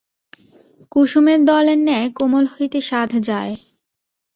কুসুমের দলের ন্যায় কোমল হইতে সাধ যায়।